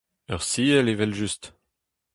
Ur siell evel-just !